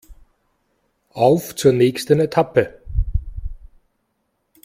Auf zur nächsten Etappe!